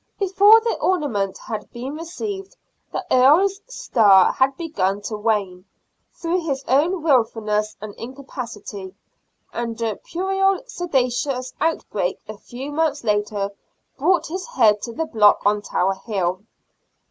Before the ornament had been received, the earl's star had begun to wane, through his own wilfulness and incapacity, and a puerile seditious out break a few months later brought his head to the block on Tower Hill.